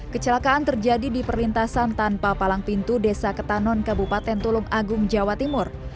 kecelakaan terjadi di perlintasan tanpa palang pintu desa ketanon kabupaten tulung agung jawa timur